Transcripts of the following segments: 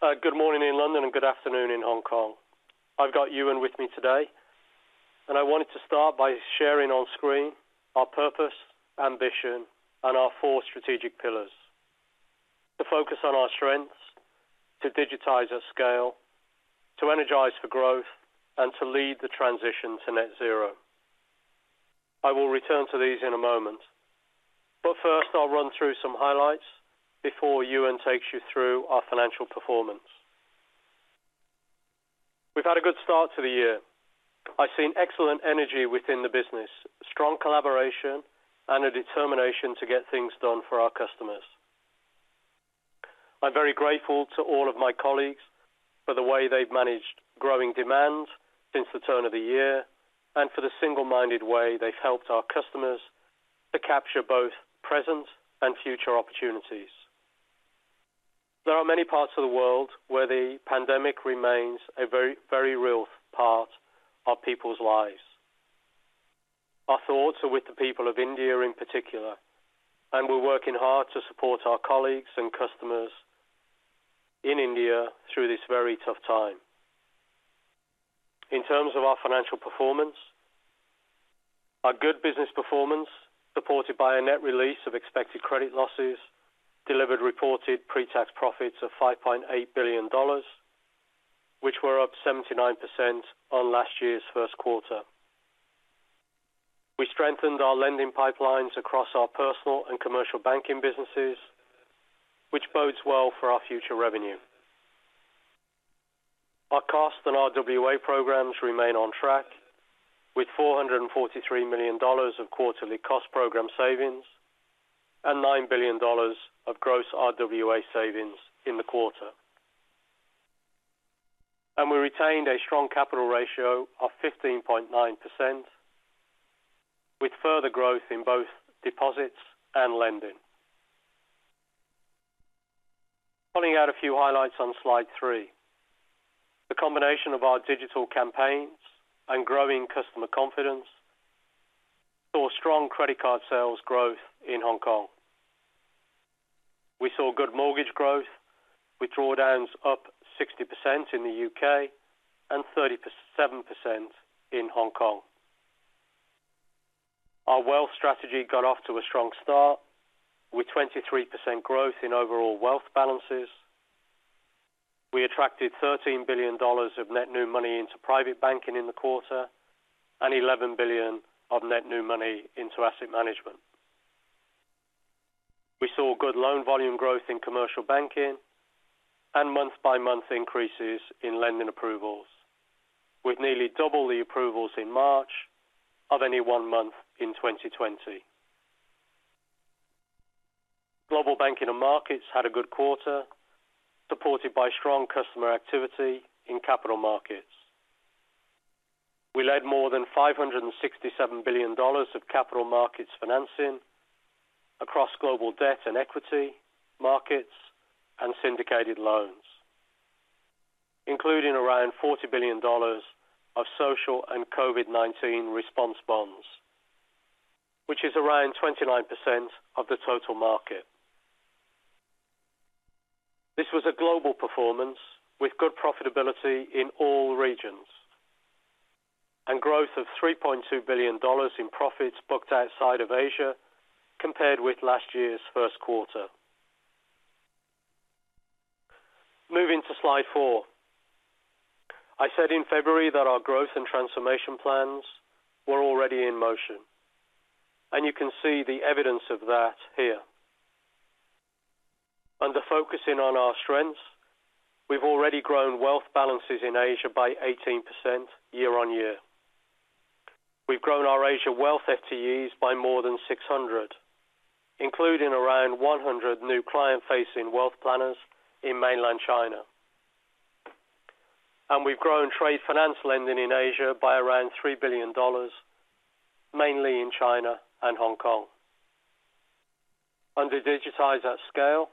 Good morning in London, and good afternoon in Hong Kong. I've got Ewen with me today. I wanted to start by sharing on screen our purpose, ambition, and our four strategic pillars. To focus on our strengths, to digitize at scale, to energize for growth, and to lead the transition to net zero. I will return to these in a moment. First I'll run through some highlights before Ewen takes you through our financial performance. We've had a good start to the year. I've seen excellent energy within the business, strong collaboration, and a determination to get things done for our customers. I'm very grateful to all of my colleagues for the way they've managed growing demand since the turn of the year, and for the single-minded way they've helped our customers to capture both present and future opportunities. There are many parts of the world where the pandemic remains a very real part of people's lives. Our thoughts are with the people of India in particular, and we're working hard to support our colleagues and customers in India through this very tough time. In terms of our financial performance, our good business performance, supported by a net release of Expected Credit Losses, delivered reported pre-tax profits of $5.8 billion, which were up 79% on last year's first quarter. We strengthened our lending pipelines across our personal and commercial banking businesses, which bodes well for our future revenue. Our cost and RWA programs remain on track with $443 million of quarterly cost program savings and $9 billion of gross RWA savings in the quarter. We retained a strong capital ratio of 15.9% with further growth in both deposits and lending. Calling out a few highlights on slide three. The combination of our digital campaigns and growing customer confidence saw strong credit card sales growth in Hong Kong. We saw good mortgage growth with drawdowns up 60% in the U.K. and 37% in Hong Kong. Our wealth strategy got off to a strong start with 23% growth in overall wealth balances. We attracted $13 billion of net new money into private banking in the quarter and $11 billion of net new money into asset management. We saw good loan volume growth in Commercial Banking and month-by-month increases in lending approvals. With nearly double the approvals in March of any one month in 2020. Global Banking and Markets had a good quarter, supported by strong customer activity in capital markets. We led more than $567 billion of capital markets financing across global debt and equity markets and syndicated loans, including around $40 billion of social and COVID-19 response bonds, which is around 29% of the total market. This was a global performance with good profitability in all regions. Growth of $3.2 billion in profits booked outside of Asia compared with last year's first quarter. Moving to slide four. I said in February that our growth and transformation plans were already in motion, and you can see the evidence of that here. Under focusing on our strengths, we've already grown wealth balances in Asia by 18% year on year. We've grown our Asia wealth FTEs by more than 600, including around 100 new client-facing wealth planners in mainland China. We've grown trade finance lending in Asia by around $3 billion, mainly in China and Hong Kong. Under digitize at scale,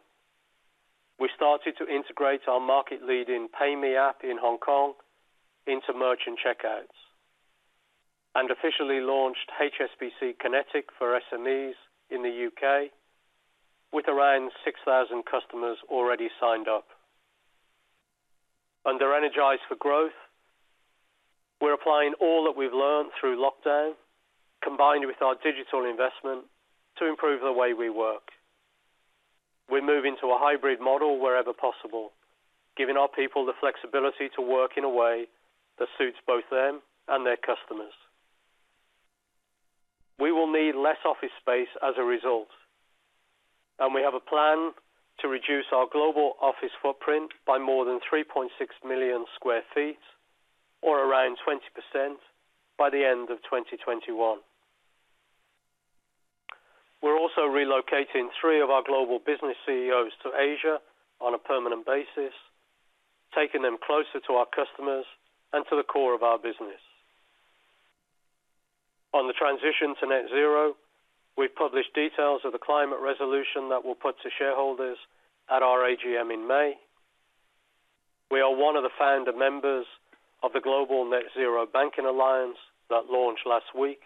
we started to integrate our market-leading PayMe app in Hong Kong into merchant checkouts and officially launched HSBC Kinetic for SMEs in the U.K. with around 6,000 customers already signed up. Under energize for growth, we're applying all that we've learned through lockdown, combined with our digital investment to improve the way we work. We're moving to a hybrid model wherever possible, giving our people the flexibility to work in a way that suits both them and their customers. We will need less office space as a result, and we have a plan to reduce our global office footprint by more than 3.6 million sq ft or around 20% by the end of 2021. We're also relocating three of our global business CEOs to Asia on a permanent basis, taking them closer to our customers and to the core of our business. On the transition to net zero, we've published details of the climate resolution that we'll put to shareholders at our AGM in May. We are one of the founder members of the Global Net Zero Banking Alliance that launched last week.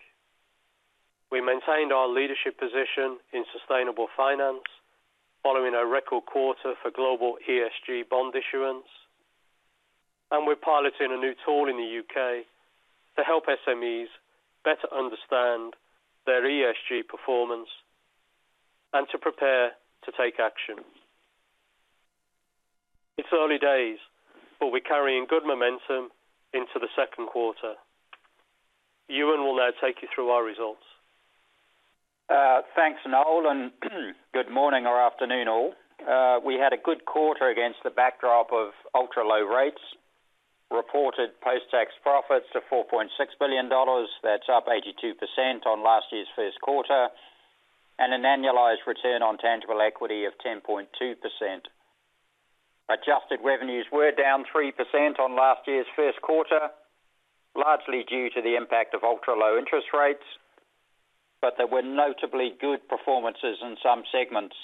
We maintained our leadership position in sustainable finance following a record quarter for global ESG bond issuance, and we're piloting a new tool in the U.K. to help SMEs better understand their ESG performance and to prepare to take action. It's early days, but we're carrying good momentum into the second quarter. Ewen will now take you through our results. Thanks, Noel. Good morning or afternoon all. We had a good quarter against the backdrop of ultra-low rates, reported post-tax profits to $4.6 billion. That's up 82% on last year's first quarter, and an annualized return on tangible equity of 10.2%. Adjusted revenues were down 3% on last year's first quarter, largely due to the impact of ultra-low interest rates, but there were notably good performances in some segments,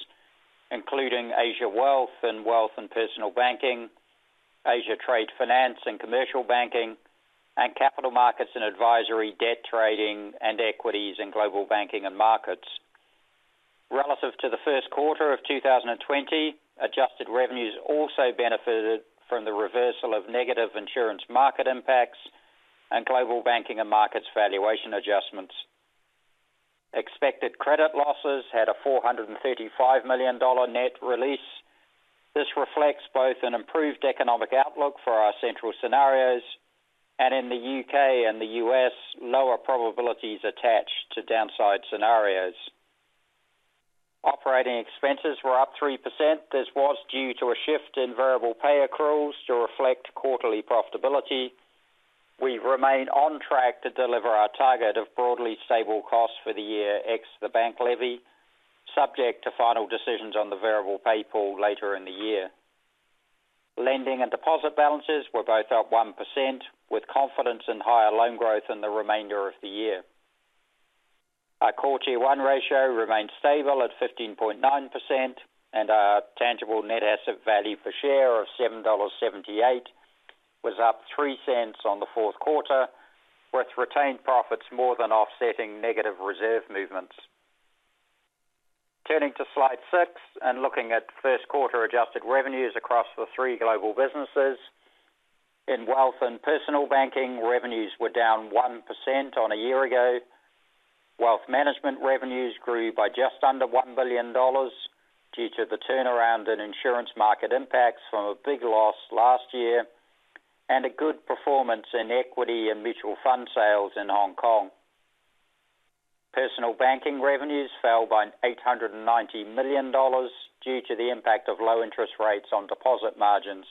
including Asia Wealth in Wealth and Personal Banking, Asia Trade Finance in Commercial Banking, and Capital Markets and Advisory, Debt Trading, and Equities in Global Banking and Markets. Relative to the first quarter of 2020, adjusted revenues also benefited from the reversal of negative insurance market impacts and Global Banking and Markets valuation adjustments. Expected credit losses had a $435 million net release. This reflects both an improved economic outlook for our central scenarios, and in the U.K. and the U.S., lower probabilities attached to downside scenarios. Operating expenses were up 3%. This was due to a shift in variable pay accruals to reflect quarterly profitability. We remain on track to deliver our target of broadly stable costs for the year, ex the bank levy, subject to final decisions on the variable pay pool later in the year. Lending and deposit balances were both up 1%, with confidence in higher loan growth in the remainder of the year. Our core Tier 1 ratio remains stable at 15.9%, and our tangible net asset value per share of $7.78 was up $0.03 on the fourth quarter, with retained profits more than offsetting negative reserve movements. Turning to slide six and looking at first quarter adjusted revenues across the three global businesses. In Wealth and Personal Banking, revenues were down 1% on a year ago. Wealth management revenues grew by just under $1 billion due to the turnaround in insurance market impacts from a big loss last year, and a good performance in equity and mutual fund sales in Hong Kong. Personal banking revenues fell by $890 million due to the impact of low interest rates on deposit margins.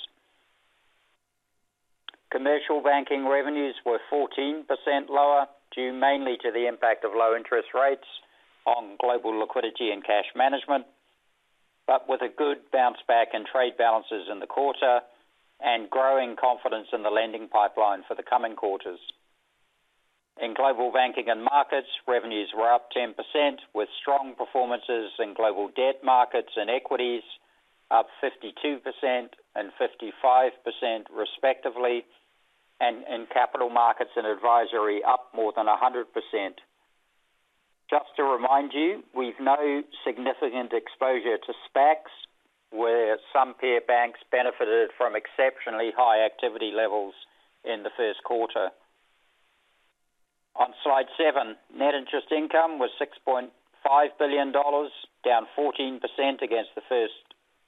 Commercial Banking revenues were 14% lower, due mainly to the impact of low interest rates on global liquidity and cash management, but with a good bounce back in trade balances in the quarter and growing confidence in the lending pipeline for the coming quarters. In Global Banking and Markets, revenues were up 10%, with strong performances in global debt markets and equities up 52% and 55% respectively, and in capital markets and advisory up more than 100%. Just to remind you, we've no significant exposure to SPACs where some peer banks benefited from exceptionally high activity levels in the first quarter. On slide seven, net interest income was $6.5 billion, down 14% against the first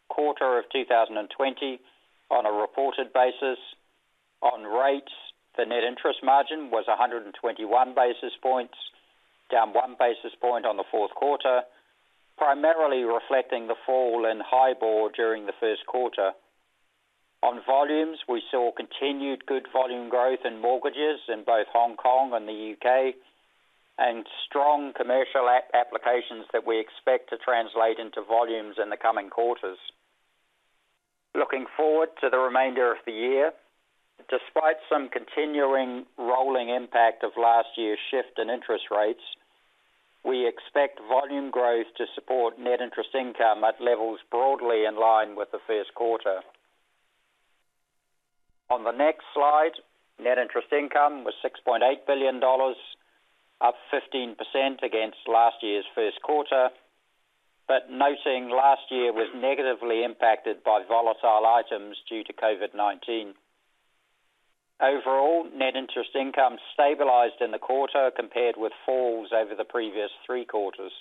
quarter of 2020 on a reported basis. On rates, the net interest margin was 121 basis points, down 1 basis point on the fourth quarter, primarily reflecting the fall in HIBOR during the first quarter. On volumes, we saw continued good volume growth in mortgages in both Hong Kong and the U.K., and strong commercial applications that we expect to translate into volumes in the coming quarters. Looking forward to the remainder of the year, despite some continuing rolling impact of last year's shift in interest rates, we expect volume growth to support net interest income at levels broadly in line with the first quarter. On the next slide, net interest income was $6.8 billion, up 15% against last year's first quarter, but noting last year was negatively impacted by volatile items due to COVID-19. Overall, net interest income stabilized in the quarter compared with falls over the previous three quarters.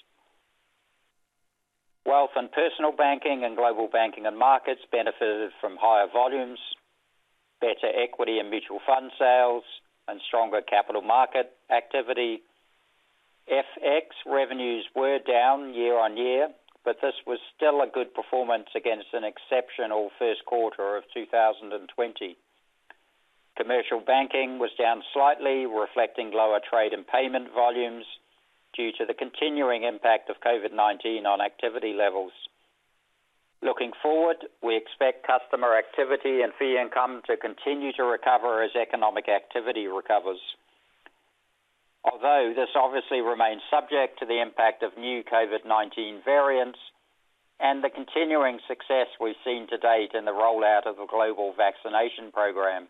Wealth and Personal Banking and Global Banking and Markets benefited from higher volumes, better equity and mutual fund sales, and stronger capital market activity. FX revenues were down year-on-year, but this was still a good performance against an exceptional first quarter of 2020. Commercial Banking was down slightly, reflecting lower trade and payment volumes due to the continuing impact of COVID-19 on activity levels. Looking forward, we expect customer activity and fee income to continue to recover as economic activity recovers. This obviously remains subject to the impact of new COVID-19 variants and the continuing success we've seen to date in the rollout of the global vaccination program.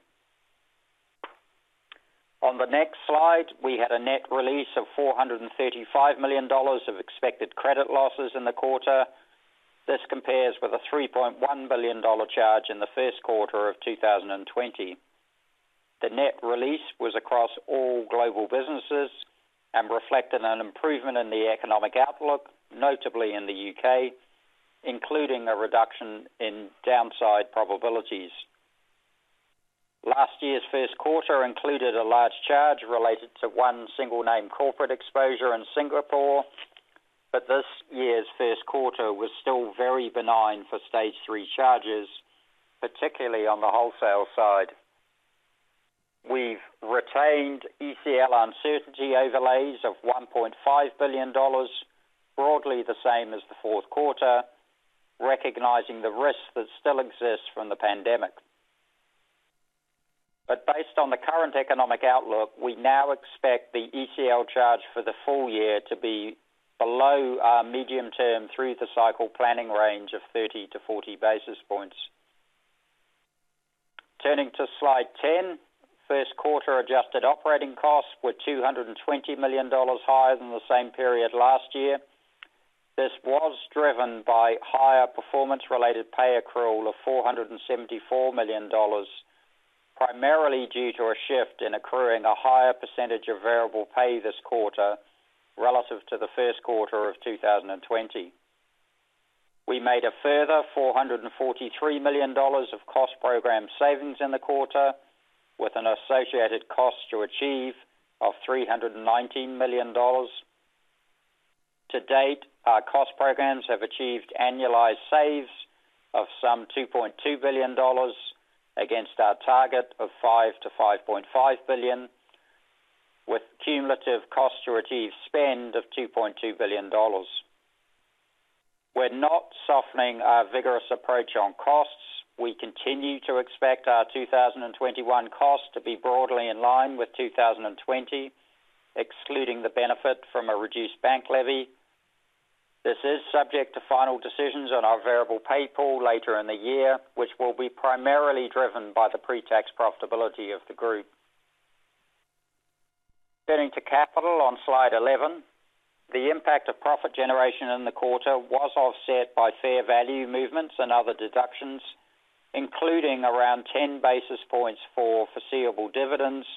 On the next slide, we had a net release of $435 million of Expected Credit Losses in the quarter. This compares with a $3.1 billion charge in the first quarter of 2020. The net release was across all global businesses and reflected an improvement in the economic outlook, notably in the U.K., including a reduction in downside probabilities. Last year's first quarter included a large charge related to one single name corporate exposure in Singapore, but this year's first quarter was still very benign for stage 3 charges, particularly on the wholesale side. We've retained ECL uncertainty overlays of $1.5 billion, broadly the same as the fourth quarter, recognizing the risks that still exist from the pandemic. Based on the current economic outlook, we now expect the ECL charge for the full year to be below our medium-term through-the-cycle planning range of 30 basis points-40 basis points. Turning to slide 10, first quarter adjusted operating costs were $220 million higher than the same period last year. This was driven by higher performance-related pay accrual of $474 million, primarily due to a shift in accruing a higher percentage of variable pay this quarter relative to the first quarter of 2020. We made a further $443 million of cost program savings in the quarter, with an associated cost to achieve of $319 million. To date, our cost programs have achieved annualized saves of some $2.2 billion against our target of $5 billion-$5.5 billion, with cumulative cost to achieve spend of $2.2 billion. We're not softening our vigorous approach on costs. We continue to expect our 2021 costs to be broadly in line with 2020, excluding the benefit from a reduced bank levy. This is subject to final decisions on our variable pay pool later in the year, which will be primarily driven by the pre-tax profitability of the group. Turning to capital on slide 11. The impact of profit generation in the quarter was offset by fair value movements and other deductions, including around 10 basis points for foreseeable dividends.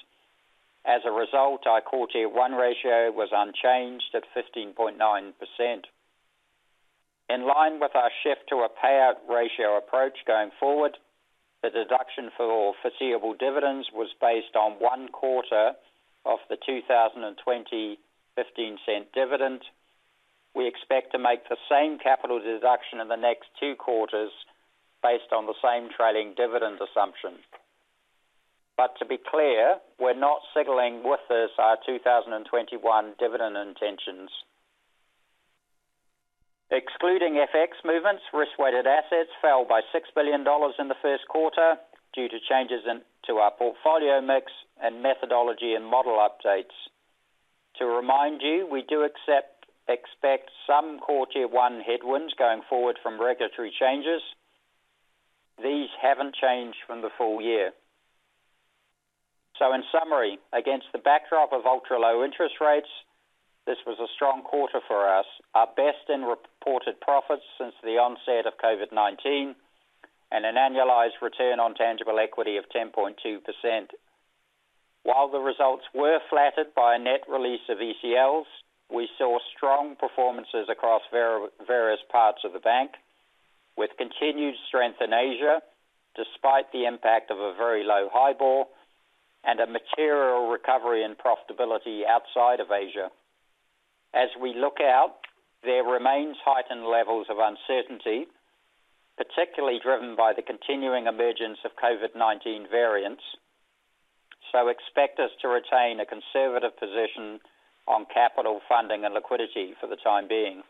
As a result, our core Tier 1 ratio was unchanged at 15.9%. In line with our shift to a payout ratio approach going forward, the deduction for foreseeable dividends was based on one quarter of the 2020 $0.15 dividend. We expect to make the same capital deduction in the next two quarters based on the same trailing dividend assumption. To be clear, we're not signaling with this our 2021 dividend intentions. Excluding FX movements, risk-weighted assets fell by $6 billion in the first quarter due to changes to our portfolio mix and methodology and model updates. To remind you, we do expect some core Tier 1 headwinds going forward from regulatory changes. These haven't changed from the full year. In summary, against the backdrop of ultra-low interest rates, this was a strong quarter for us. Our best in reported profits since the onset of COVID-19, and an annualized return on tangible equity of 10.2%. While the results were flattered by a net release of ECLs, we saw strong performances across various parts of the bank, with continued strength in Asia, despite the impact of a very low HIBOR and a material recovery and profitability outside of Asia. As we look out, there remains heightened levels of uncertainty, particularly driven by the continuing emergence of COVID-19 variants. Expect us to retain a conservative position on capital funding and liquidity for the time being.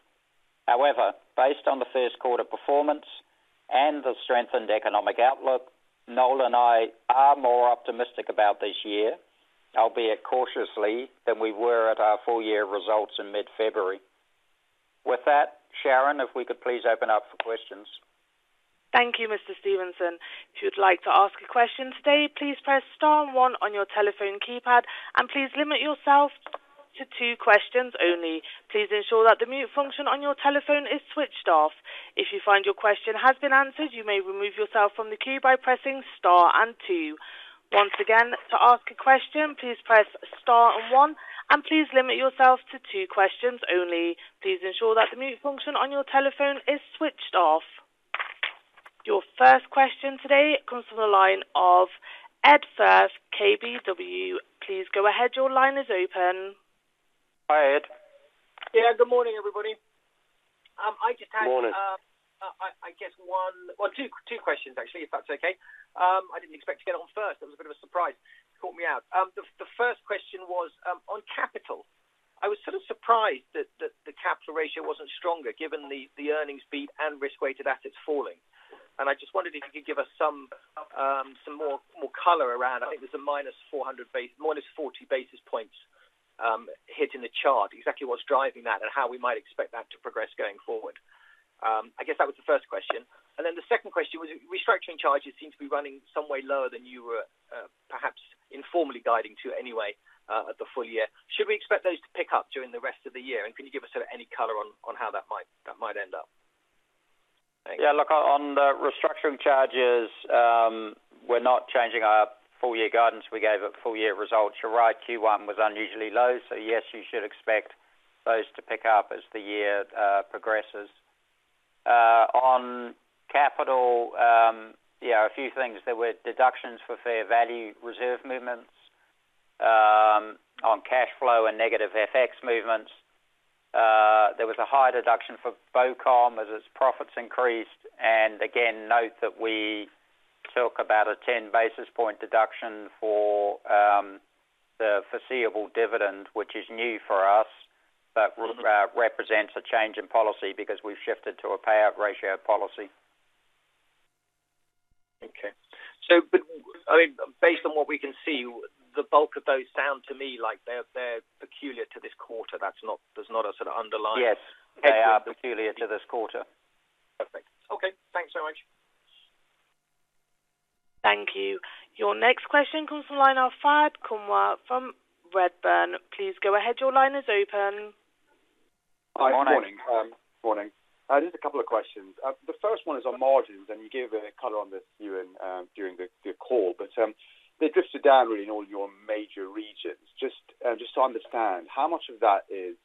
Based on the first quarter performance and the strengthened economic outlook, Noel and I are more optimistic about this year, albeit cautiously, than we were at our full-year results in mid-February. With that, Sharon, if we could please open up for questions. Thank you, Mr. Stevenson. If you would like to ask a question today, please press star one on your telephone keypad. Please limit yourself to two questions only. Please ensure that the mute function on your telephone is switched off. If you find your question has been answered, you may remove yourself from the queue by pressing star and two. Once again to ask a question press star and one. Please limit yourself to two questions only. Please ensure that the mute function on your telephone is switched off. Your first question today comes from the line of Ed Firth, KBW. Please go ahead. Your line is open. Hi, Ed. Yeah, good morning, everybody. Morning I guess one, well, two questions, actually, if that's okay. I didn't expect to get on first. It was a bit of a surprise. You caught me out. The first question was on capital. I was sort of surprised that the capital ratio wasn't stronger given the earnings beat and risk-weighted assets falling. I just wondered if you could give us some more color around, I think there's a -40 basis points hit in the chart exactly what's driving that and how we might expect that to progress going forward. I guess that was the first question. The second question was, restructuring charges seem to be running some way lower than you were, perhaps informally guiding to anyway at the full year. Should we expect those to pick up during the rest of the year? Can you give us any color on how that might end up? Thanks. Look, on the restructuring charges, we're not changing our full-year guidance we gave at full-year results. You're right, Q1 was unusually low. Yes, you should expect those to pick up as the year progresses. On capital, a few things. There were deductions for fair value reserve movements. On cash flow and negative FX movements, there was a higher deduction for BoCom as its profits increased. Again, note that we talk about a 10 basis point deduction for the foreseeable dividend, which is new for us. Represents a change in policy because we've shifted to a payout ratio policy. Okay. Based on what we can see, the bulk of those sound to me like they're peculiar to this quarter. Yes. They are peculiar to this quarter. Perfect. Okay. Thanks so much. Thank you. Your next question comes from the line of Fahad Kunwar from Redburn. Please go ahead. Your line is open. Good morning. Hi. Morning. Just a couple of questions. The first one is on margins. You gave a color on this during the call. They drifted down really in all your major regions. Just to understand, how much of that is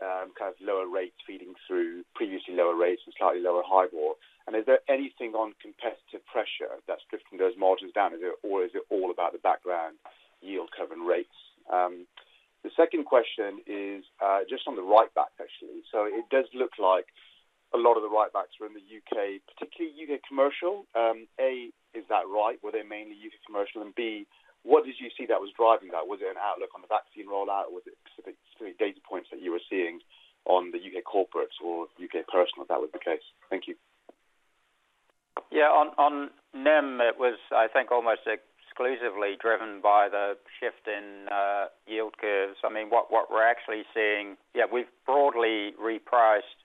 kind of lower rates feeding through previously lower rates and slightly lower HIBOR? Is there anything on competitive pressure that's drifting those margins down, or is it all about the background yield curve and rates? The second question is just on the write back, actually. It does look like a lot of the write backs are in the U.K., particularly U.K. Commercial. A, is that right? Were they mainly U.K. Commercial? B, what did you see that was driving that? Was it an outlook on the vaccine rollout? Was it specific data points that you were seeing on the U.K. corporates or U.K. personal, if that was the case? Thank you. Yeah. On NIM, it was, I think, almost exclusively driven by the shift in yield curves. What we're actually seeing, yeah, we've broadly repriced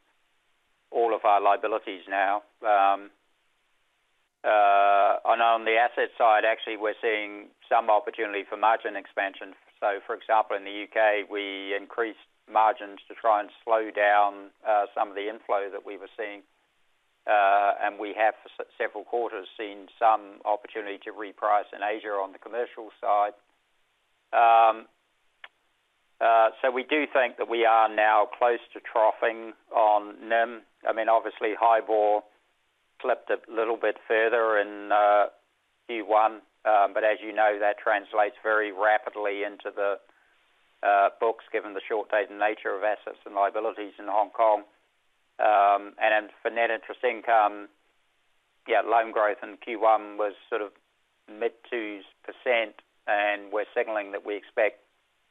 all of our liabilities now. On the asset side, actually, we're seeing some opportunity for margin expansion. For example, in the U.K., we increased margins to try and slow down some of the inflow that we were seeing. We have, for several quarters, seen some opportunity to reprice in Asia on the commercial side. We do think that we are now close to troughing on NIM. Obviously HIBOR slipped a little bit further in Q1. As you know, that translates very rapidly into the books, given the short dated nature of assets and liabilities in Hong Kong. For net interest income, loan growth in Q1 was sort of mid-2%s, and we are signaling that we expect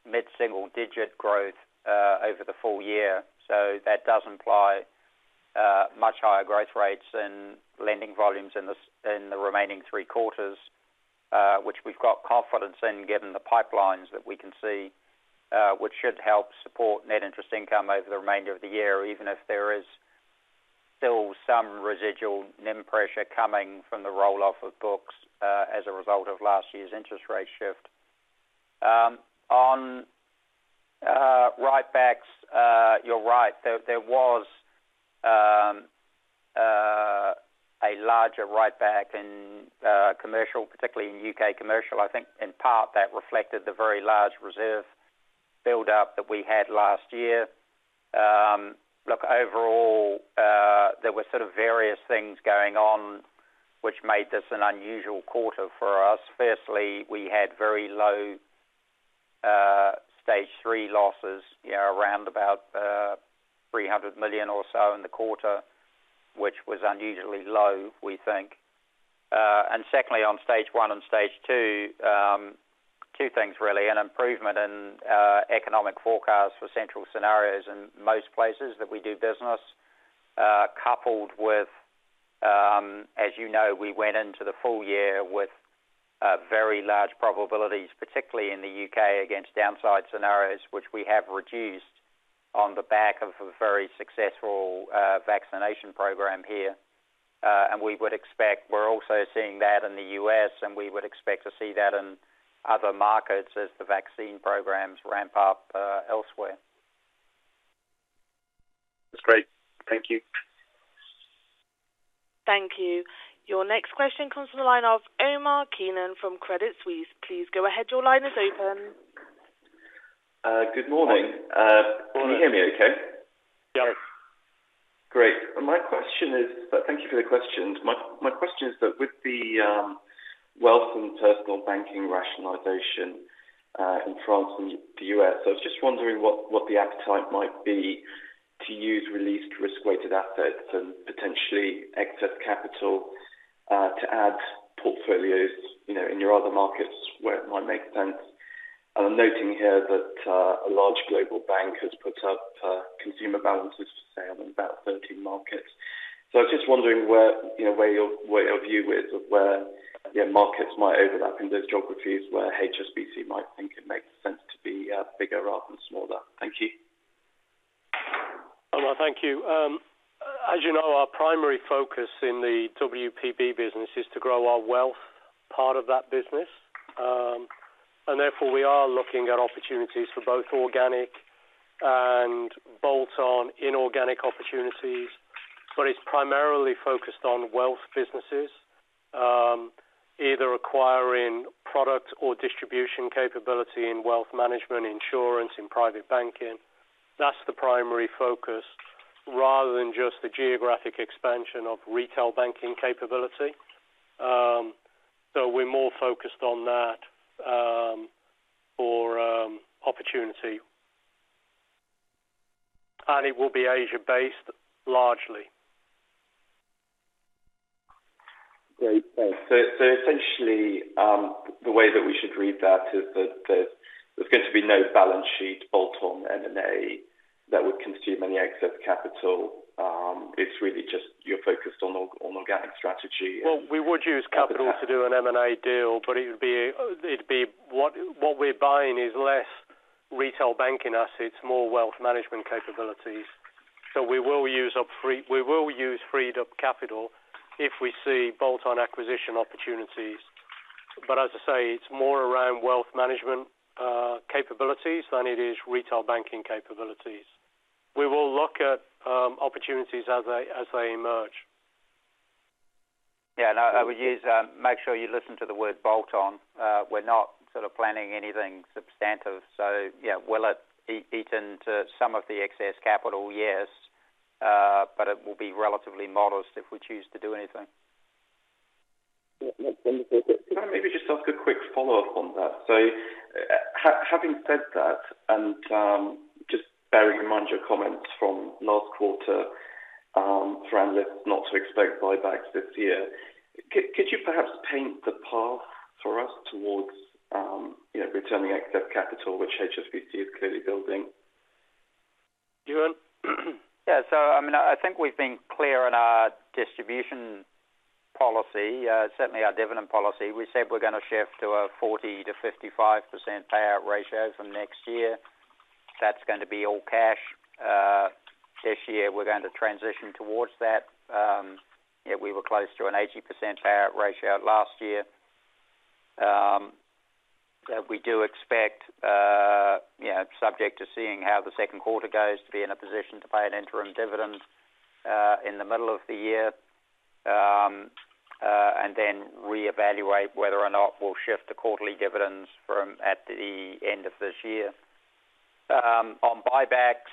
mid-single digit growth over the full year. That does imply much higher growth rates and lending volumes in the remaining three quarters, which we have got confidence in given the pipelines that we can see, which should help support net interest income over the remainder of the year, even if there is still some residual NIM pressure coming from the roll-off of books as a result of last year's interest rate shift. On write backs, you are right. There was a larger write back in commercial, particularly in U.K. commercial. I think in part that reflected the very large reserve build-up that we had last year. Overall, there were sort of various things going on, which made this an unusual quarter for us. Firstly, we had very low stage 3 losses, around about $300 million or so in the quarter, which was unusually low, we think. Secondly, on stage 1 and stage 2, two things really, an improvement in economic forecasts for central scenarios in most places that we do business, coupled with, as you know, we went into the full year with very large probabilities, particularly in the U.K., against downside scenarios, which we have reduced on the back of a very successful vaccination program here. We're also seeing that in the U.S., and we would expect to see that in other markets as the vaccine programs ramp up elsewhere. That's great. Thank you. Thank you. Your next question comes from the line of Omar Keenan from Credit Suisse. Please go ahead. Your line is open. Good morning. Morning. Can you hear me okay? Yes. Great. Thank you for the questions. My question is that with the Wealth and Personal Banking rationalization in France and the U.S., I was just wondering what the appetite might be to use released risk-weighted assets and potentially excess capital to add portfolios in your other markets where it might make sense. I'm noting here that a large global bank has put up consumer balances for sale in about 30 markets. I was just wondering where your view is of where your markets might overlap in those geographies where HSBC might think it makes sense to be bigger rather than smaller. Thank you. Thank you. As you know, our primary focus in the WPB business is to grow our wealth part of that business. Therefore, we are looking at opportunities for both organic and bolt-on inorganic opportunities, but it's primarily focused on wealth businesses, either acquiring product or distribution capability in wealth management, insurance, in private banking. That's the primary focus rather than just the geographic expansion of retail banking capability. We're more focused on that for opportunity. It will be Asia-based, largely. Great, thanks. Essentially, the way that we should read that is that there's going to be no balance sheet bolt-on M&A that would consume any excess capital. It's really just you're focused on organic strategy. We would use capital to do an M&A deal, but what we're buying is less retail banking assets, more wealth management capabilities. We will use freed-up capital if we see bolt-on acquisition opportunities. As I say, it's more around wealth management capabilities than it is retail banking capabilities. We will look at opportunities as they emerge. Yeah, no. I would make sure you listen to the word bolt-on. We're not planning anything substantive. Will it eat into some of the excess capital? Yes. It will be relatively modest if we choose to do anything. Can I maybe just ask a quick follow-up on that? Having said that, and just bearing in mind your comments from last quarter around not to expect buybacks this year, could you perhaps paint the path for us towards returning excess capital, which HSBC is clearly building? Ewen? I think we've been clear on our distribution policy, certainly our dividend policy. We said we're going to shift to a 40%-55% payout ratio from next year. That's going to be all cash. This year, we're going to transition towards that. We were close to an 80% payout ratio last year. We do expect, subject to seeing how the second quarter goes, to be in a position to pay an interim dividend in the middle of the year, and then reevaluate whether or not we'll shift to quarterly dividends at the end of this year. On buybacks,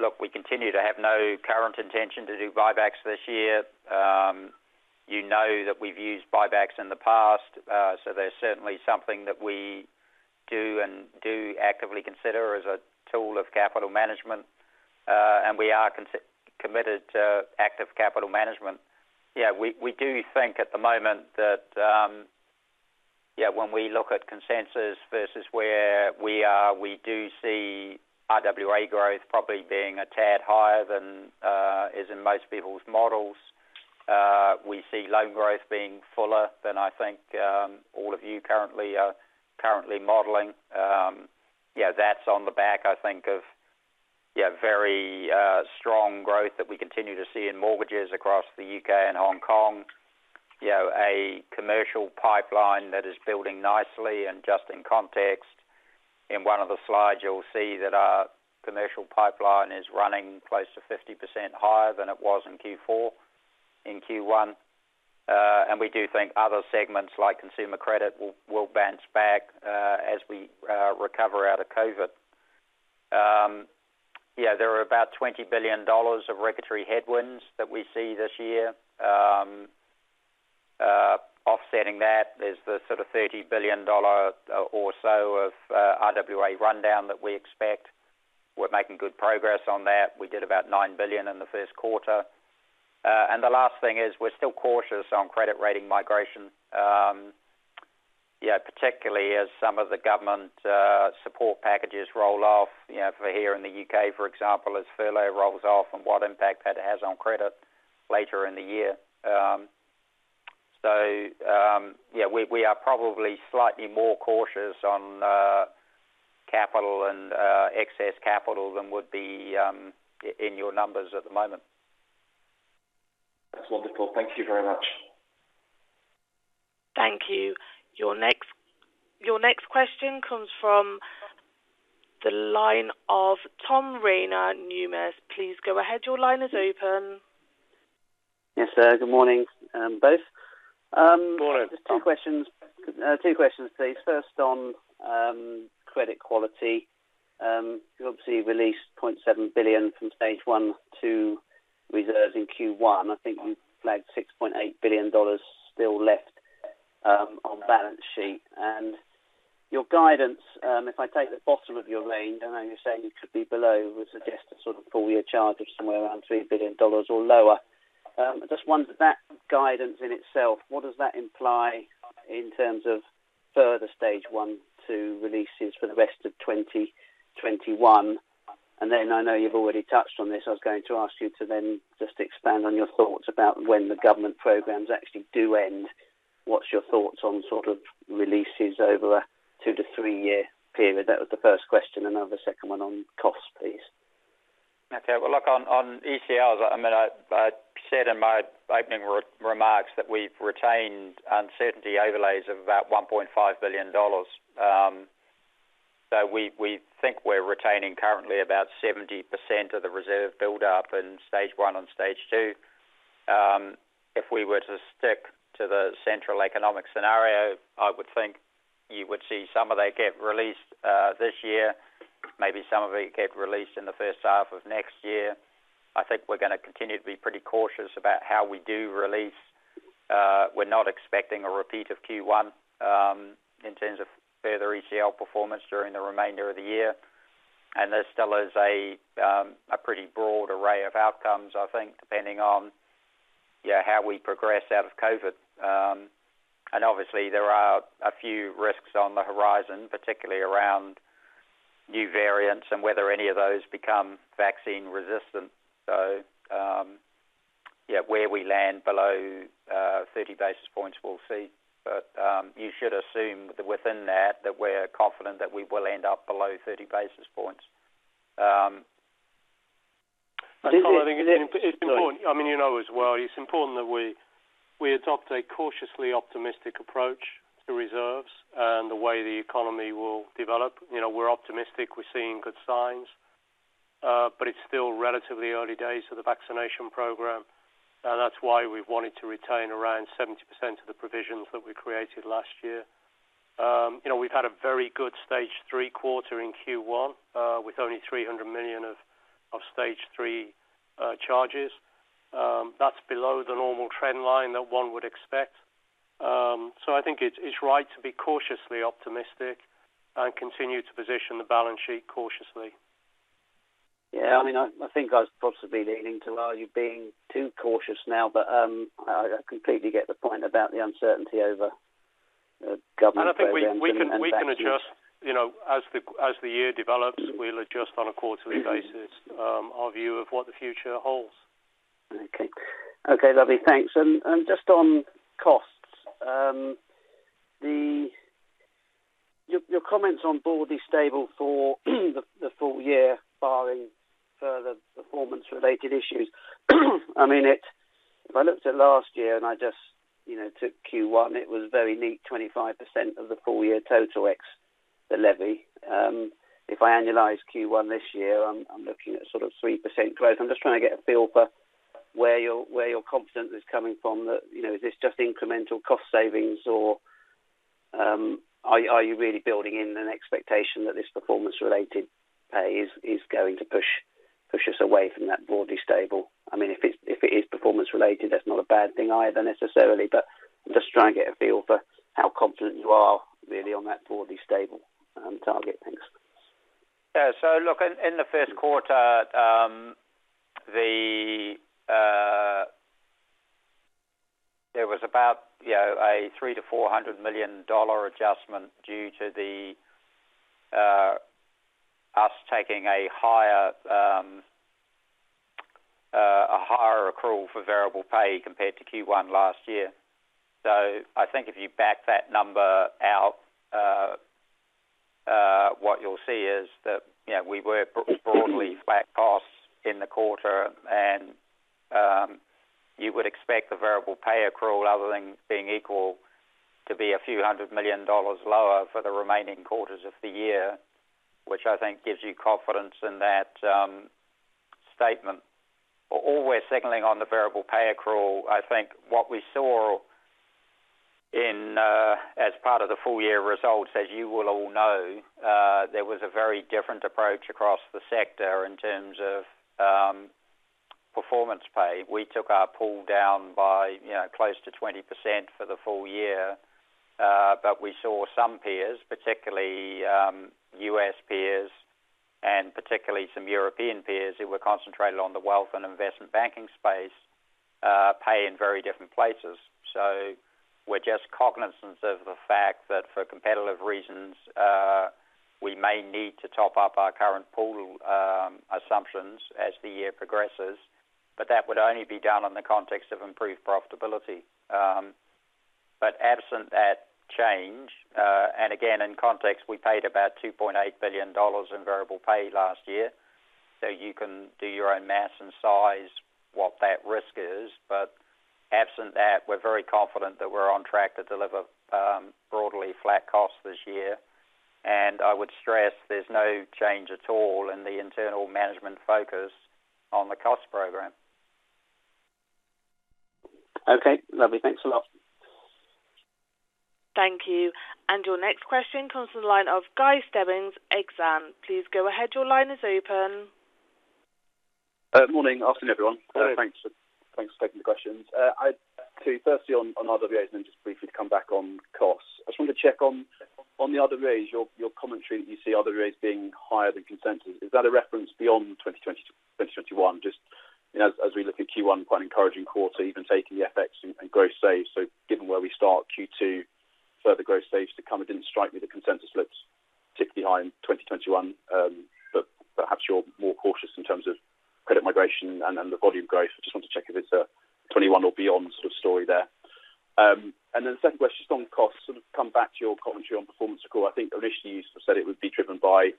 look, we continue to have no current intention to do buybacks this year. You know that we've used buybacks in the past, so they're certainly something that we do and do actively consider as a tool of capital management. We are committed to active capital management. We do think at the moment that when we look at consensus versus where we are, we do see RWA growth probably being a tad higher than is in most people's models. We see loan growth being fuller than I think all of you currently are modeling. That's on the back, I think, of very strong growth that we continue to see in mortgages across the U.K. and Hong Kong. A commercial pipeline that is building nicely. Just in context, in one of the slides, you'll see that our commercial pipeline is running close to 50% higher than it was in Q4, in Q1. We do think other segments, like consumer credit, will bounce back as we recover out of COVID-19. There are about $20 billion of regulatory headwinds that we see this year. Offsetting that is the sort of $30 billion or so of RWA rundown that we expect. We're making good progress on that. We did about $9 billion in the first quarter. The last thing is we're still cautious on credit rating migration. Particularly as some of the government support packages roll off, for here in the U.K., for example, as furlough rolls off and what impact that has on credit later in the year. We are probably slightly more cautious on capital and excess capital than would be in your numbers at the moment. That's wonderful. Thank you very much. Thank you. Your next question comes from the line of Tom Rayner, Numis. Please go ahead. Your line is open. Yes, sir. Good morning, both. Good morning, Tom. Just two questions, please. First on credit quality. You obviously released $0.7 billion from stage 1 to reserves in Q1. I think you flagged $6.8 billion still left on balance sheet. Your guidance, if I take the bottom of your range, I know you're saying it could be below, would suggest a sort of full-year charge of somewhere around $3 billion or lower. I just wonder, that guidance in itself, what does that imply in terms of further stage 1, 2 releases for the rest of 2020-2021. I know you've already touched on this. I was going to ask you to then just expand on your thoughts about when the government programs actually do end. What's your thoughts on sort of releases over a two to three year period? That was the first question, the second one on costs, please. Look on ECLs, I said in my opening remarks that we've retained uncertainty overlays of about $1.5 billion. We think we're retaining currently about 70% of the reserve build-up in stage 1 and stage 2. If we were to stick to the central economic scenario, I would think you would see some of that get released this year, maybe some of it get released in the first half of next year. I think we're going to continue to be pretty cautious about how we do release. We're not expecting a repeat of Q1, in terms of further ECL performance during the remainder of the year. There still is a pretty broad array of outcomes, I think, depending on how we progress out of COVID. Obviously there are a few risks on the horizon, particularly around new variants and whether any of those become vaccine resistant. Where we land below 30 basis points, we'll see. You should assume that within that we're confident that we will end up below 30 basis points. Is it- I think it's important. You know as well, it's important that we adopt a cautiously optimistic approach to reserves and the way the economy will develop. We're optimistic. We're seeing good signs. It's still relatively early days for the vaccination program. That's why we've wanted to retain around 70% of the provisions that we created last year. We've had a very good stage 3 quarter in Q1, with only $300 million of stage 3 charges. That's below the normal trend line that one would expect. I think it's right to be cautiously optimistic and continue to position the balance sheet cautiously. Yeah, I think I was possibly leaning to are you being too cautious now, but, I completely get the point about the uncertainty over government programs and vaccines. I think we can adjust. As the year develops, we'll adjust on a quarterly basis, our view of what the future holds. Okay. Lovely. Thanks. Just on costs. Your comments on broadly stable for the full year barring further performance related issues. If I looked at last year and I just took Q1, it was very neat, 25% of the full year total x the levy. If I annualize Q1 this year, I'm looking at sort of 3% growth. I'm just trying to get a feel for where your confidence is coming from that? Is this just incremental cost savings or are you really building in an expectation that this performance related pay is going to push us away from that broadly stable? If it is performance related, that's not a bad thing either necessarily, I'm just trying to get a feel for how confident you are really on that broadly stable target. Thanks. Yeah. Look, in the first quarter, there was about a $300 million-$400 million adjustment due to us taking a higher accrual for variable pay compared to Q1 last year. I think if you back that number out, what you will see is that we are broadly flat costs in the quarter and you would expect the variable pay accrual, other things being equal, to be a few hundred million dollars lower for the remaining quarters of the year, which I think gives you confidence in that statement. All we are signaling on the variable pay accrual, I think what we saw as part of the full year results, as you will all know, there was a very different approach across the sector in terms of performance pay. We took our pool down by close to 20% for the full year. We saw some peers, particularly U.S. peers, and particularly some European peers who were concentrated on the wealth and investment banking space, pay in very different places. We're just cognizant of the fact that for competitive reasons, we may need to top up our current pool assumptions as the year progresses, but that would only be done in the context of improved profitability. Absent that change, and again, in context, we paid about $2.8 billion in variable pay last year. You can do your own math and size what that risk is. Absent that, we're very confident that we're on track to deliver broadly flat costs this year. I would stress there's no change at all in the internal management focus on the cost program. Okay, lovely. Thanks a lot. Thank you. Your next question comes from the line of Guy Stebbings, Exane. Please go ahead. Your line is open. Morning. Afternoon, everyone. Hello. Thanks for taking the questions. Two. Firstly, on RWAs, and then just briefly to come back on costs. I just wanted to check on the RWAs, your commentary that you see RWAs being higher than consensus. Is that a reference beyond 2021? Just as we look at Q1, quite an encouraging quarter, even taking the FX and gross save. Given where we start Q2, further growth stage 2 to come. It didn't strike me the consensus looks particularly behind 2021. Perhaps you're more cautious in terms of credit migration and the volume growth. I just want to check if it's a 2021 or beyond sort of story there. Second question is on costs, come back to your commentary on performance record. I think initially you said it would be driven by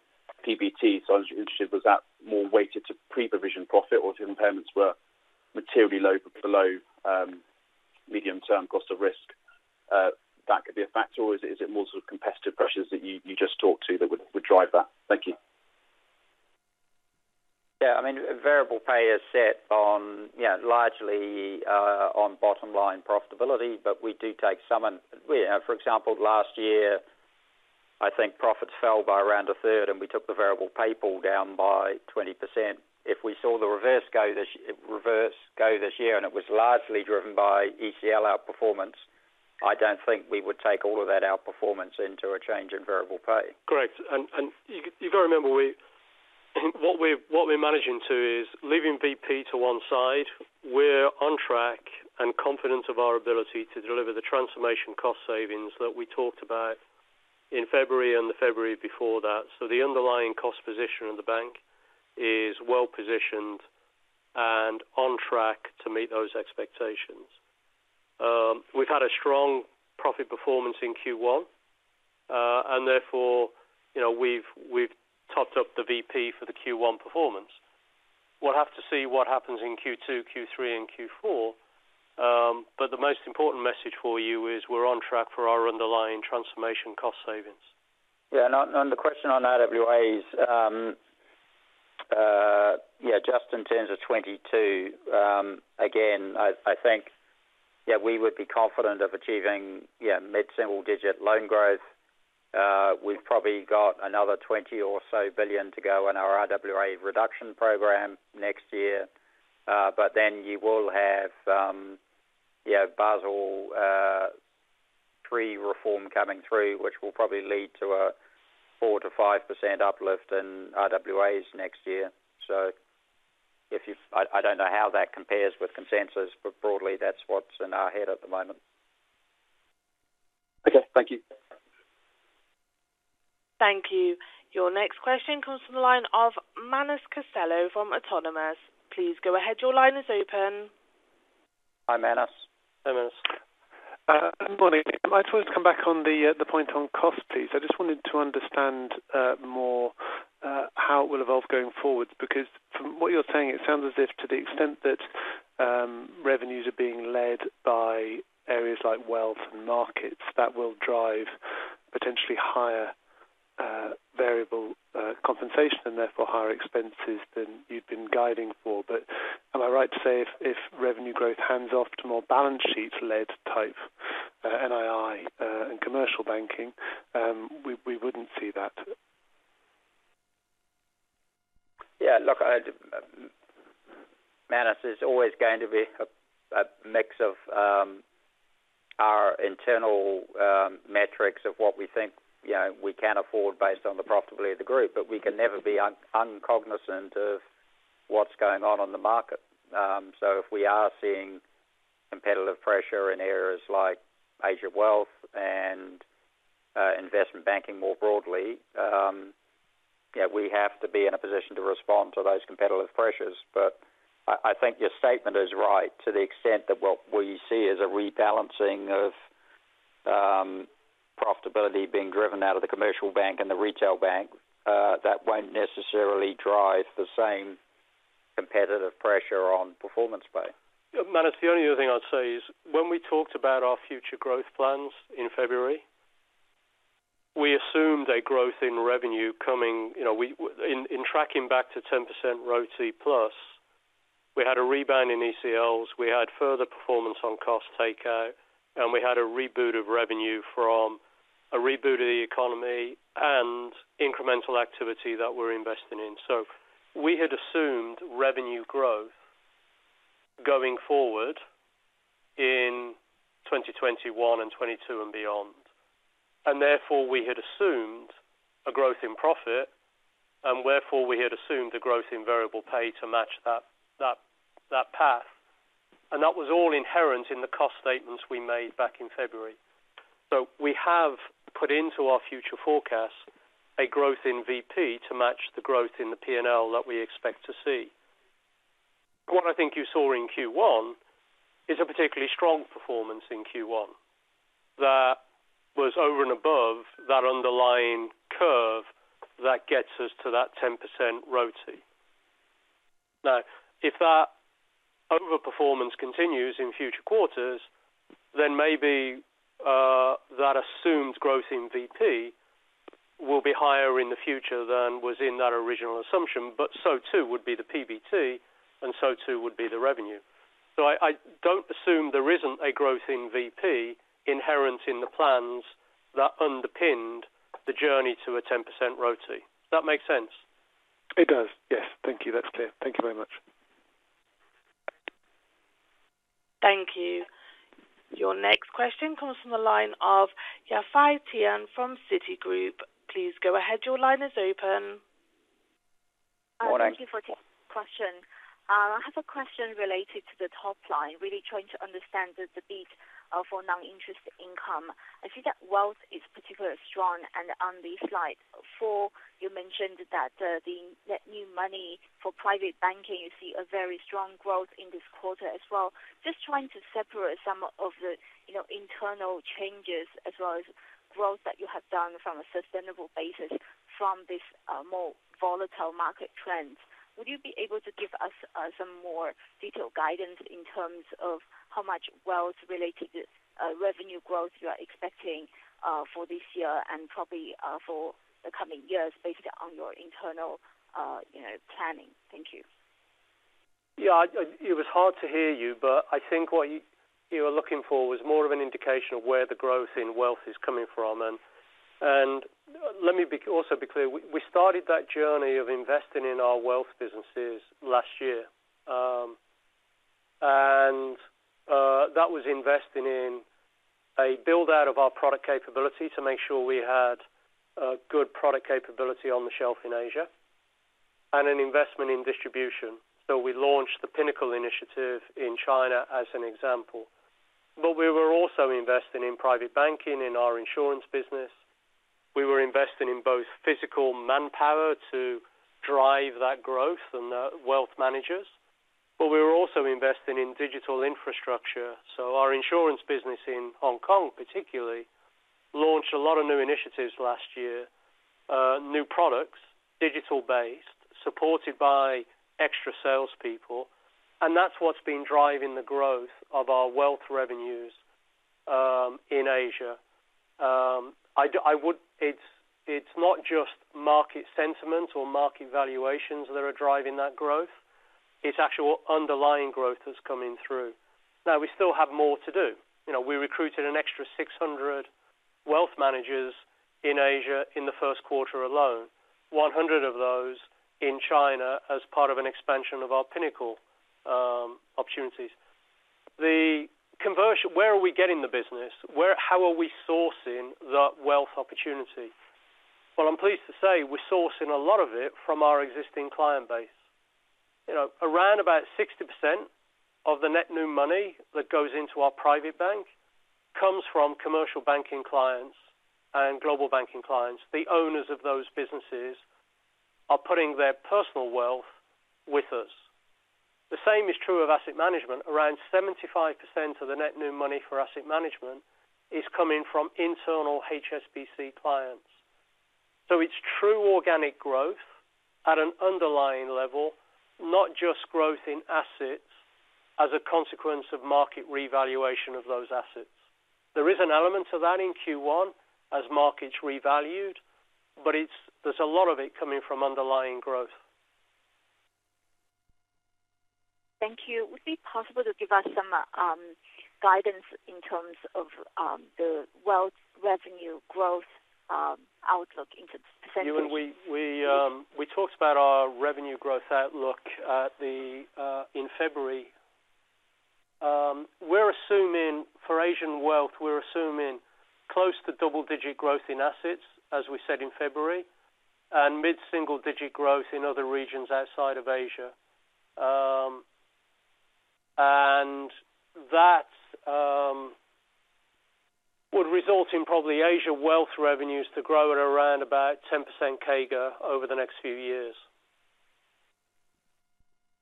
PBT. I was interested, was that more weighted to pre-provision profit or if the impairments were materially low below medium-term cost of risk? That could be a factor or is it more competitive pressures that you just talked to that would drive that? Thank you. Yeah. Variable pay is set largely on bottom line profitability. We do take some in. For example, last year, I think profits fell by around a third, and we took the variable pay pool down by 20%. If we saw the reverse go this year, and it was largely driven by ECL outperformance, I don't think we would take all of that outperformance into a change in variable pay. Correct. You've got to remember, what we're managing to is leaving VP to one side. We're on track and confident of our ability to deliver the transformation cost savings that we talked about in February and the February before that. The underlying cost position in the bank is well positioned and on track to meet those expectations. We've had a strong profit performance in Q1, and therefore, we've topped up the VP for the Q1 performance. We'll have to see what happens in Q2, Q3, and Q4. The most important message for you is we're on track for our underlying transformation cost savings. Yeah. The question on RWAs, just in terms of 2022, again, I think that we would be confident of achieving mid-single-digit loan growth. We've probably got another $20 billion to go on our RWA reduction program next year. You will have Basel III reform coming through, which will probably lead to a 4%-5% uplift in RWAs next year. I don't know how that compares with consensus, but broadly, that's what's in our head at the moment. Okay. Thank you. Thank you. Your next question comes from the line of Manus Costello from Autonomous. Please go ahead. Your line is open. Hi, Manus. Hi, Manus. Morning. I just wanted to come back on the point on cost, please. I just wanted to understand more how it will evolve going forward. From what you're saying, it sounds as if to the extent that revenues are being led by areas like wealth and markets, that will drive potentially higher variable compensation and therefore higher expenses than you've been guiding for. Am I right to say if revenue growth hands off to more balance sheets led type NII and Commercial Banking, we wouldn't see that? Yeah. Look, Manus, there's always going to be a mix of our internal metrics of what we think we can afford based on the profitability of the group, but we can never be uncognizant of what's going on on the market. If we are seeing competitive pressure in areas like Asia wealth and investment banking more broadly, we have to be in a position to respond to those competitive pressures. I think your statement is right to the extent that what you see is a rebalancing of profitability being driven out of the commercial bank and the retail bank. That won't necessarily drive the same competitive pressure on performance pay. Manus, the only other thing I'd say is when we talked about our future growth plans in February, we assumed a growth in revenue tracking back to 10% RoTCE+, we had a rebound in ECLs, we had further performance on cost takeout, and we had a reboot of revenue from a reboot of the economy and incremental activity that we're investing in. We had assumed revenue growth going forward in 2021 and 2022 and beyond. Therefore, we had assumed a growth in profit, and therefore, we had assumed a growth in variable pay to match that path. That was all inherent in the cost statements we made back in February. We have put into our future forecasts a growth in VP to match the growth in the P&L that we expect to see. What I think you saw in Q1 is a particularly strong performance in Q1 that was over and above that underlying curve that gets us to that 10% RoTCE. If that overperformance continues in future quarters, then maybe that assumed growth in VP will be higher in the future than was in that original assumption. So too would be the PBT, and so too would be the revenue. I don't assume there isn't a growth in VP inherent in the plans that underpinned the journey to a 10% RoTCE. Does that make sense? It does. Yes. Thank you. That's clear. Thank you very much. Thank you. Your next question comes from the line of Yafei Tian from Citigroup. Please go ahead. Your line is open. Thank you for taking the question. I have a question related to the top line, really trying to understand the beat for non-interest income. I see that Wealth is particularly strong. On the slide four, you mentioned that the net new money for Private Banking, you see a very strong growth in this quarter as well. Just trying to separate some of the internal changes as well as growth that you have done from a sustainable basis from this more volatile market trends. Would you be able to give us some more detailed guidance in terms of how much Wealth related revenue growth you are expecting for this year and probably for the coming years based on your internal planning? Thank you. Yeah. It was hard to hear you, but I think what you were looking for was more of an indication of where the growth in wealth is coming from. Let me also be clear. We started that journey of investing in our wealth businesses last year. That was investing in a build-out of our product capability to make sure we had a good product capability on the shelf in Asia, and an investment in distribution. We launched the Pinnacle initiative in China as an example. We were also investing in private banking in our insurance business. We were investing in both physical manpower to drive that growth and wealth managers. We were also investing in digital infrastructure. Our insurance business in Hong Kong particularly launched a lot of new initiatives last year, new products, digital-based, supported by extra salespeople. That's what's been driving the growth of our wealth revenues, in Asia. It's not just market sentiment or market valuations that are driving that growth. It's actual underlying growth that's coming through. We still have more to do. We recruited an extra 600 wealth managers in Asia in the first quarter alone, 100 of those in China as part of an expansion of our Pinnacle opportunities. Where are we getting the business? How are we sourcing that wealth opportunity? I'm pleased to say we're sourcing a lot of it from our existing client base. Around about 60% of the net new money that goes into our private bank comes from Commercial Banking clients and Global Banking and Markets clients. The owners of those businesses are putting their personal wealth with us. The same is true of asset management. Around 75% of the net new money for asset management is coming from internal HSBC clients. It's true organic growth at an underlying level, not just growth in assets as a consequence of market revaluation of those assets. There is an element of that in Q1 as markets revalued, but there's a lot of it coming from underlying growth. Thank you. Would it be possible to give us some guidance in terms of the wealth revenue growth outlook in percentage? We talked about our revenue growth outlook in February. For Asian wealth, we're assuming close to double-digit growth in assets, as we said in February, and mid-single digit growth in other regions outside of Asia. That would result in probably Asia wealth revenues to grow at around about 10% CAGR over the next few years.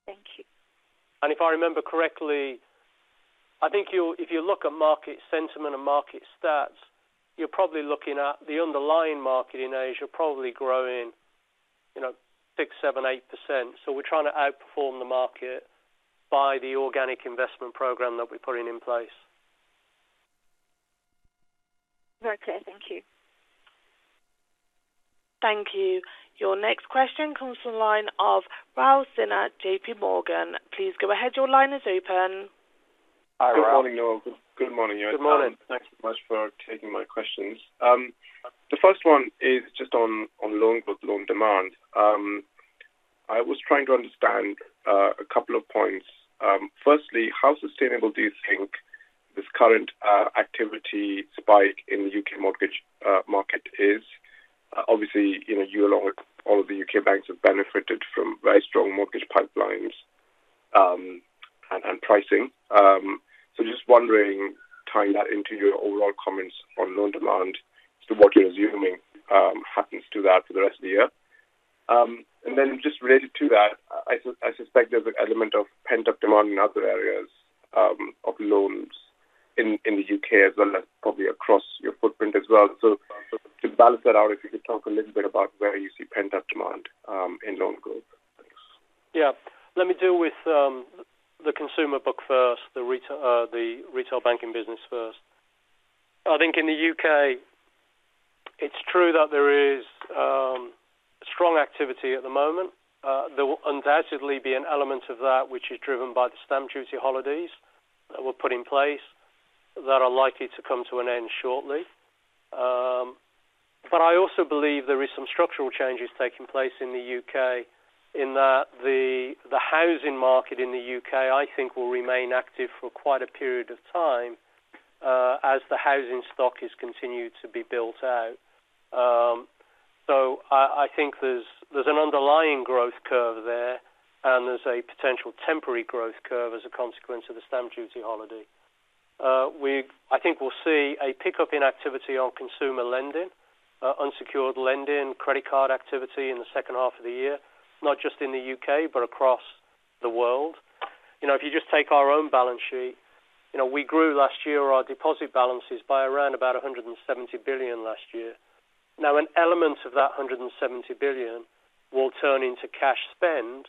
Thank you. If I remember correctly, I think if you look at market sentiment and market stats, you're probably looking at the underlying market in Asia, probably growing 6%, 7%, 8%. We're trying to outperform the market by the organic investment program that we're putting in place. Very clear. Thank you. Thank you. Your next question comes from the line of Rahul Sinha, JPMorgan. Please go ahead. Your line is open. Hi, Rahul. Good morning, Noel. Good morning, Ewan. Good morning. Thanks so much for taking my questions. The first one is just on loan book, loan demand. I was trying to understand a couple of points. Firstly, how sustainable do you think this current activity spike in the U.K. mortgage market is? Obviously, you along with all of the U.K. banks have benefited from very strong mortgage pipelines and pricing. Just wondering, tying that into your overall comments on loan demand as to what you're assuming happens to that for the rest of the year. Just related to that, I suspect there's an element of pent-up demand in other areas of loans in the U.K. as well as probably across your footprint as well. To balance that out, if you could talk a little bit about where you see pent-up demand in loan growth. Thanks. Yeah. Let me deal with the consumer book first, the retail banking business first. I think in the U.K., it's true that there is strong activity at the moment. There will undoubtedly be an element of that which is driven by the stamp duty holidays that were put in place that are likely to come to an end shortly. I also believe there is some structural changes taking place in the U.K. in that the housing market in the U.K., I think will remain active for quite a period of time, as the housing stock has continued to be built out. I think there's an underlying growth curve there and there's a potential temporary growth curve as a consequence of the stamp duty holiday. I think we'll see a pickup in activity on consumer lending, unsecured lending, credit card activity in the second half of the year, not just in the U.K., but across the world. If you just take our own balance sheet, we grew last year our deposit balances by around about $170 billion last year. An element of that $170 billion will turn into cash spend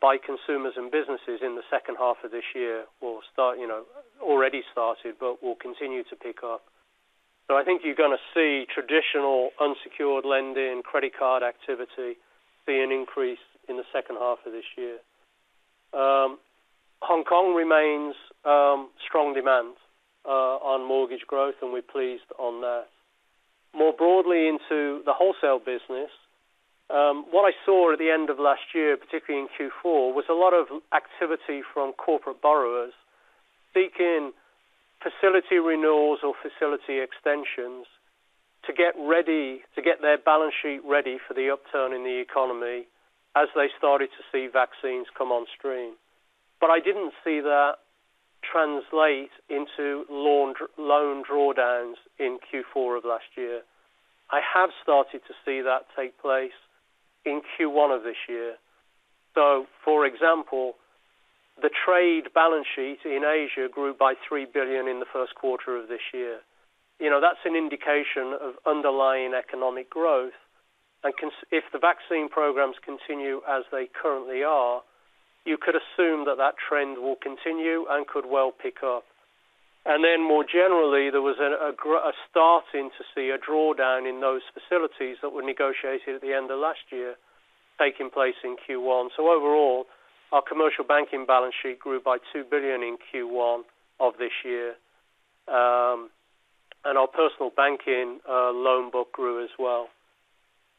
by consumers and businesses in the second half of this year, already started, but will continue to pick up. I think you're going to see traditional unsecured lending, credit card activity, see an increase in the second half of this year. Hong Kong remains strong demand on mortgage growth, and we're pleased on that. More broadly into the wholesale business, what I saw at the end of last year, particularly in Q4, was a lot of activity from corporate borrowers seeking facility renewals or facility extensions to get their balance sheet ready for the upturn in the economy as they started to see vaccines come on stream. I didn't see that translate into loan drawdowns in Q4 of last year. I have started to see that take place in Q1 of this year. For example, the trade balance sheet in Asia grew by $3 billion in the first quarter of this year. That's an indication of underlying economic growth. If the vaccine programs continue as they currently are, you could assume that that trend will continue and could well pick up. More generally, there was a starting to see a drawdown in those facilities that were negotiated at the end of last year, taking place in Q1. Overall, our Commercial Banking balance sheet grew by 2 billion in Q1 of this year. Our personal banking loan book grew as well.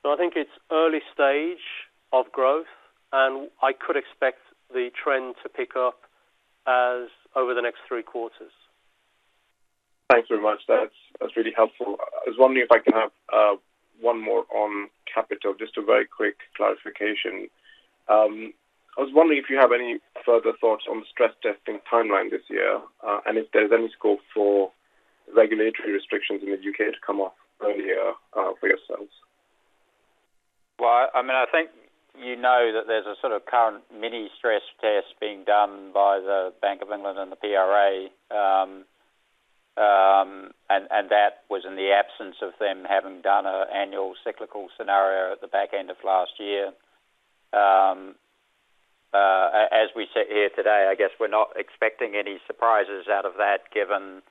I think it's early stage of growth, and I could expect the trend to pick up as over the next three quarters. Thanks very much. That's really helpful. I was wondering if I can have one more on capital, just a very quick clarification. I was wondering if you have any further thoughts on the stress testing timeline this year, and if there's any scope for regulatory restrictions in the U.K. to come off earlier, for yourselves. Well, I think you know that there's a sort of current mini stress test being done by the Bank of England and the PRA. That was in the absence of them having done an annual cyclical scenario at the back end of last year. As we sit here today, I guess we're not expecting any surprises out of that given,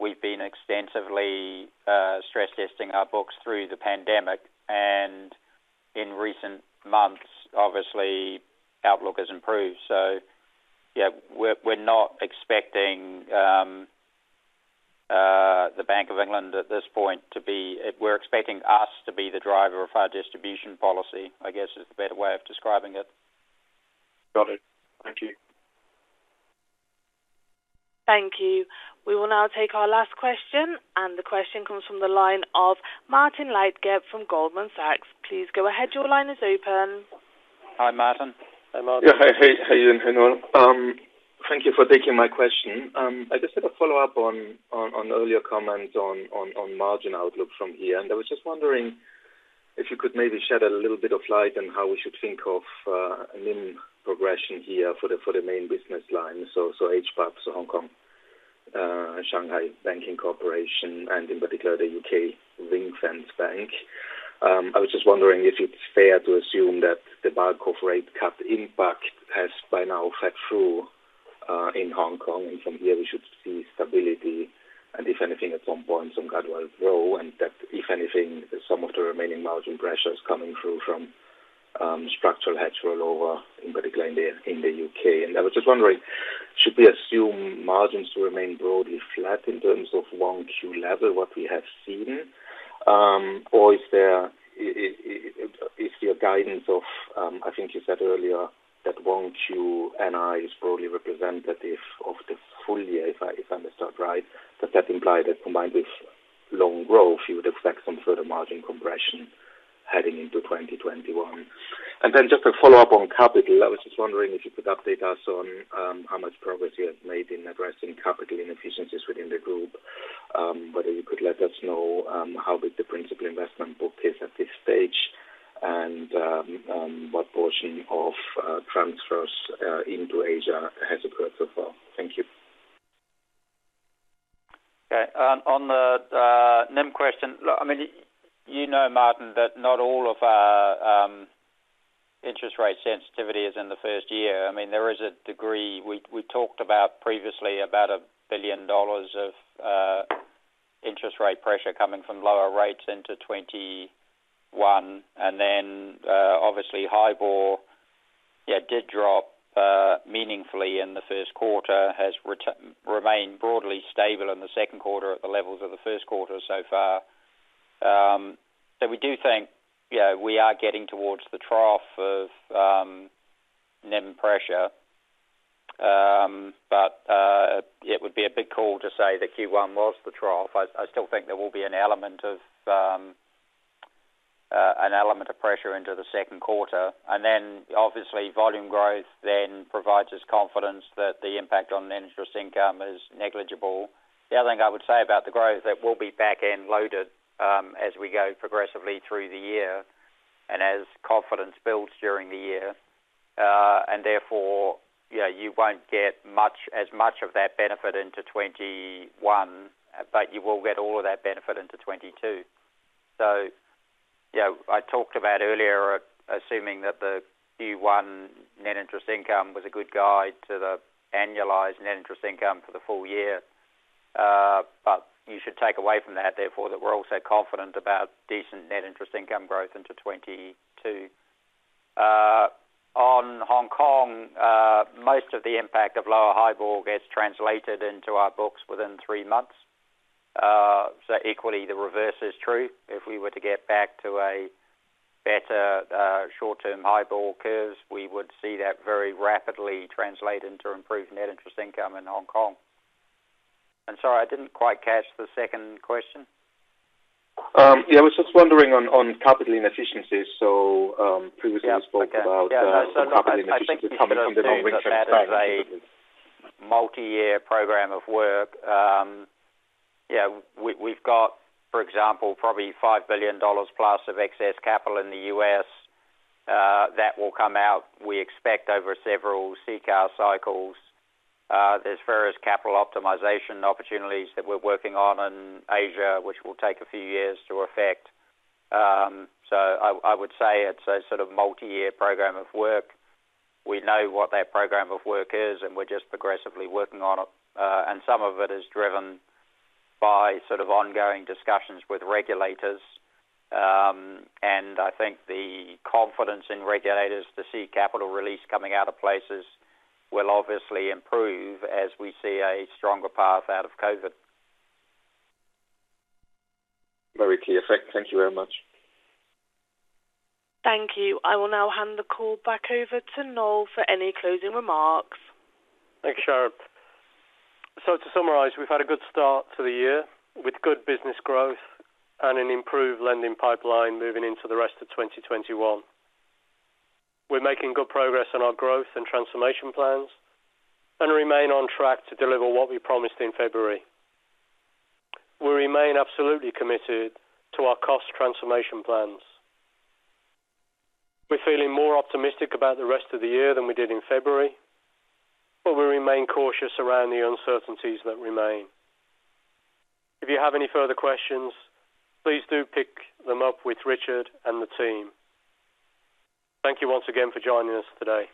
we've been extensively stress testing our books through the pandemic, and in recent months, obviously outlook has improved. Yeah, we're not expecting the Bank of England at this point. We're expecting us to be the driver of our distribution policy, I guess, is the better way of describing it. Got it. Thank you. Thank you. We will now take our last question. The question comes from the line of Martin Leitgeb from Goldman Sachs. Please go ahead. Your line is open. Hi, Martin. Hi, Martin. Yeah. Hey, Ewan. Hey, Noel. Thank you for taking my question. I just had a follow-up on earlier comments on margin outlook from here. I was just wondering if you could maybe shed a little bit of light on how we should think of NIM progression here for the main business lines. HBAP, The Hongkong and Shanghai Banking Corporation, and in particular the U.K. ring-fenced bank. I was just wondering if it's fair to assume that the Bank of England rate cut impact has by now fed through in Hong Kong, and from here we should see stability and if anything, at some point, some gradual growth, and that if anything, some of the remaining margin pressures coming through from structural hedge roll over, in particular in the U.K. I was just wondering, should we assume margins to remain broadly flat in terms of 1Q level, what we have seen? Is your guidance of, I think you said earlier that 1Q NII is broadly representative of the full year, if I understand right, does that imply that combined with loan growth, you would expect some further margin compression heading into 2021? Just a follow-up on capital. I was just wondering if you could update us on how much progress you have made in addressing capital inefficiencies within the group? Whether you could let us know how big the principal investment book is at this stage and what portion of transfers into Asia has occurred so far? Thank you. Okay. On the NIM question. You know Martin, that not all of our interest rate sensitivity is in the first year. There is a degree we talked about previously about $1 billion of interest rate pressure coming from lower rates into 2021. Obviously HIBOR did drop meaningfully in the first quarter, has remained broadly stable in the second quarter at the levels of the first quarter so far. We do think we are getting towards the trough of NIM pressure. It would be a big call to say that Q1 was the trough. I still think there will be an element of pressure into the second quarter, and then obviously volume growth then provides us confidence that the impact on net interest income is negligible. The other thing I would say about the growth that will be back-end loaded as we go progressively through the year and as confidence builds during the year. Therefore, you won't get as much of that benefit into 2021, but you will get all of that benefit into 2022. I talked about earlier, assuming that the Q1 net interest income was a good guide to the annualized net interest income for the full year. You should take away from that, therefore, that we're also confident about decent net interest income growth into 2022. On Hong Kong, most of the impact of lower HIBOR gets translated into our books within three months. Equally, the reverse is true. If we were to get back to a better short-term HIBOR curves, we would see that very rapidly translate into improved net interest income in Hong Kong. Sorry, I didn't quite catch the second question. Yeah, I was just wondering on capital inefficiencies. Previously you spoke about capital inefficiencies coming from the non return- I think you should assume that that is a multi-year program of work. We've got, for example, probably $5 billion plus of excess capital in the U.S. that will come out, we expect, over several CCAR cycles. There's various capital optimization opportunities that we're working on in Asia, which will take a few years to effect. I would say it's a sort of multi-year program of work. We know what that program of work is, and we're just progressively working on it. Some of it is driven by sort of ongoing discussions with regulators. I think the confidence in regulators to see capital release coming out of places will obviously improve as we see a stronger path out of COVID. Very clear. Thank you very much. Thank you. I will now hand the call back over to Noel for any closing remarks. Thanks, Sharon. To summarize, we've had a good start to the year with good business growth and an improved lending pipeline moving into the rest of 2021. We're making good progress on our growth and transformation plans and remain on track to deliver what we promised in February. We remain absolutely committed to our cost transformation plans. We're feeling more optimistic about the rest of the year than we did in February, but we remain cautious around the uncertainties that remain. If you have any further questions, please do pick them up with Richard and the team. Thank you once again for joining us today.